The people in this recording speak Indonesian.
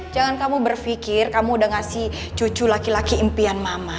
jangan kamu berpikir kamu udah ngasih cucu laki laki impian mama